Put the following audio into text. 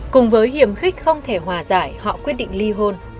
cùng với hiểm khích không thể hòa giải họ quyết định ly hôn